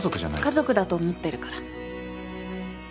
家族だと思ってるから。